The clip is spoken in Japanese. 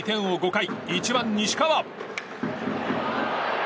５回１番、西川。